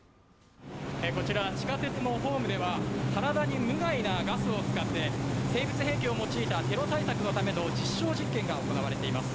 こちら、地下鉄のホームでは体に無害なガスを使って生物兵器を用いたテロ対策のための実証実験が行われています。